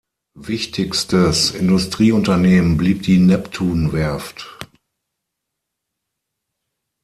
Wichtigstes Industrieunternehmen blieb die Neptun-Werft.